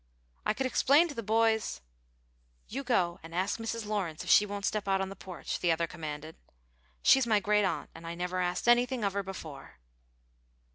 "I could explain to the boys " "You go and ask Mrs. Lawrence if she won't step out on the porch," the other commanded; "she's my great aunt, and I never asked anything of her before."